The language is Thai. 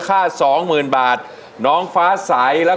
ครบไปได้แล้ว